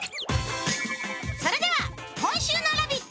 それでは、今週の「ラヴィット！」